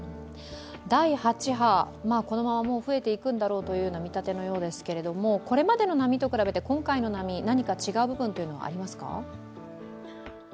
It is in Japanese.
第８波、このまま増えていくんだろうという見方のようですがこれまでの波と比べて今回の波何か違う部分はありますか。